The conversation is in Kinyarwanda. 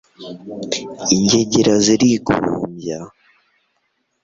ingegera zirigurumbya